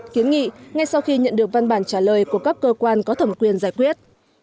kiến nghị ngay sau khi nhận được văn bản trả lời của các cơ quan có thẩm quyền giải quyết